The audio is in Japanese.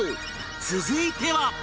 続いては